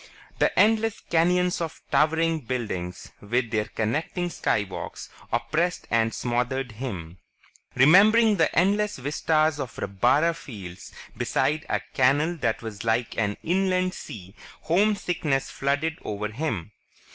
The endless canyons of towering buildings, with their connecting Skywalks, oppressed and smothered him. Remembering the endless vistas of rabbara fields beside a canal that was like an inland sea, homesickness flooded over him.